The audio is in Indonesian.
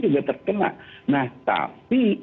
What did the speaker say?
juga terkena nah tapi